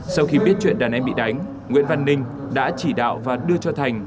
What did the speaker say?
sau khi biết chuyện đàn em bị đánh nguyễn văn ninh đã chỉ đạo và đưa cho thành